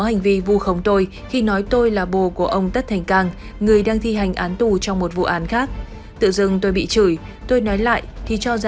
nhưng nếu không nói như vậy thì sau này tôi sẽ bất kỳ một người dân nào thấy một cá bợ nò ăn có lộ hay cái gì không có cảm chứng